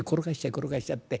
転がしちゃって。